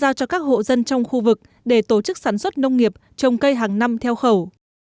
giao cho các hộ dân trong khu vực để tổ chức sản xuất nông nghiệp trồng cây hàng năm theo khẩu